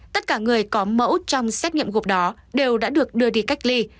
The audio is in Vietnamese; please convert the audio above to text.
tất cả người có mẫu trong xét nghiệm gộp đó đều đã được đưa đi cách ly